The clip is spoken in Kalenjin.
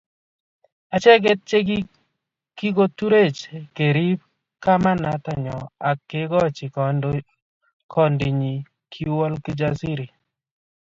Acheget che kikoturech kerib kamanatanyo ak kekoch kondinyi, kiwol Kijasiri